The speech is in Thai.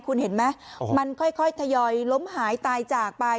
คุณเห็นไหมโอ้โหมันค่อยค่อยทยอยล้มหายตายจากไป